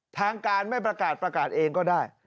ทางการไม่ประกาศประกาศเองก็ได้